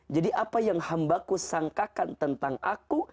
jadi apa yang hambaku sangkakan tentang aku